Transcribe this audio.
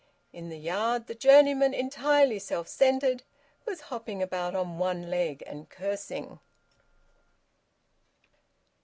In the yard the journeyman, entirely self centred, was hopping about on one leg and cursing.